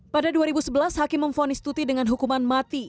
pada dua ribu sebelas hakim memfonis tuti dengan hukuman mati